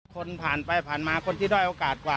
คนผ่านไปผ่านมาคนที่ด้อยโอกาสกว่า